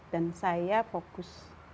dan saya fokus